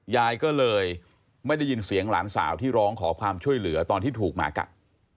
ยายก็เลยไม่ได้ยินเสียงหลานสาวที่ร้องขอความช่วยเหลือตอนที่ถูกหมากัด